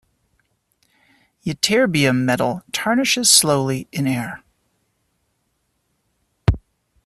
Ytterbium metal tarnishes slowly in air.